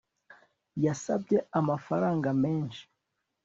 Yasabye amafaranga menshi